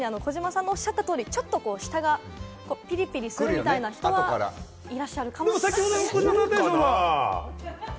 確かに児嶋さんがおっしゃった通り、ちょっと舌がピリピリするみたいな人はいらっしゃるかもしれない。